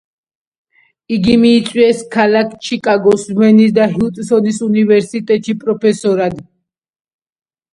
იგი მიიწვიეს ქალაქ ჩიკაგოს, ვენის და ჰიუსტონის უნივერსიტეტებში პროფესორად.